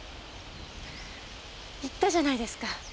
言ったじゃないですか。